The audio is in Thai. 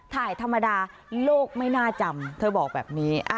ธรรมดาโลกไม่น่าจำเธอบอกแบบนี้